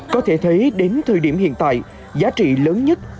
có thể thấy đến thời điểm hiện tại giá trị lớn nhất